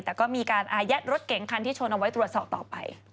แต่ก็มีการอายัดรถเก๋งคันที่ชนเอาไว้ตรวจสอบต่อไป